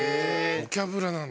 『ボキャブラ』なんだ。